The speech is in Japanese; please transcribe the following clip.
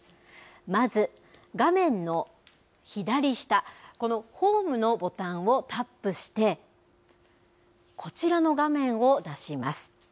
まず、画面の左下、このホームのボタンをタップして、こちらの画面を出します。